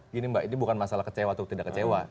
gini mbak ini bukan masalah kecewa atau tidak kecewa